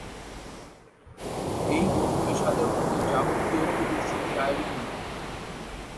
এই ভবনে সাধারণত যাবতীয় প্রদর্শনীর আয়োজন হয়ে থাকে।